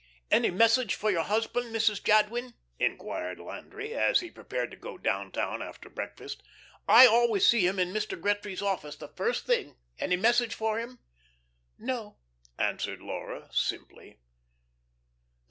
"Any message for your husband, Mrs. Jadwin?" inquired Landry, as he prepared to go down town after breakfast. "I always see him in Mr. Gretry's office the first thing. Any message for him?" "No," answered Laura, simply.